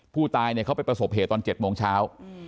ผู้ตายเขาไปประสบเหตุตอน๗โมงเช้า